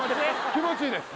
気持ちいいです